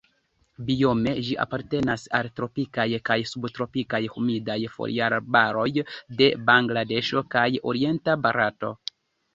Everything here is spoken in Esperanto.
Biome ĝi apartenas al tropikaj kaj subtropikaj humidaj foliarbaroj de Bangladeŝo kaj orienta Barato.